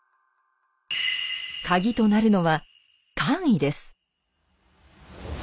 カギとなるのは「官位」です。